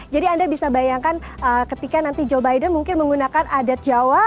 jadi anda bisa bayangkan ketika nanti joe biden mungkin menggunakan adat jawa